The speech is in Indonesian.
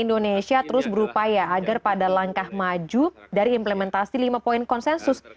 indonesia terus berupaya agar pada langkah maju dari implementasi lima poin konsensus